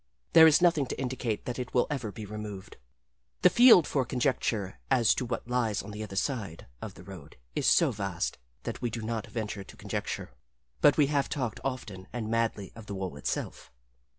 There is nothing to indicate that it will ever be removed. The field for conjecture as to what lies on the other side of the road is so vast that we do not venture to conjecture. But we have talked often and madly of the wall itself.